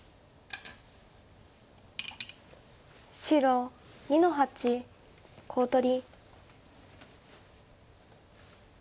白２の八コウ取り。